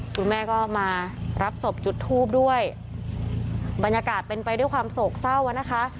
คุณแม่ก็มารับศพจุดทูบด้วยบรรยากาศเป็นไปด้วยความโศกเศร้าอ่ะนะคะ